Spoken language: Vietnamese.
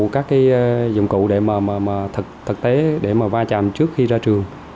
các cái dụng cụ để mà thực tế để mà va chạm trước khi ra trường